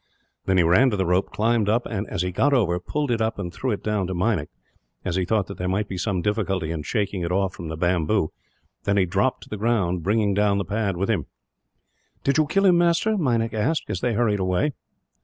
Then he ran to the rope, climbed up and, as he got over, pulled it up and threw it down to Meinik as he thought that there might be some difficulty in shaking it off from the bamboo then he dropped to the ground, bringing down the pad with him. "Did you kill him, master?" Meinik asked, as they hurried away.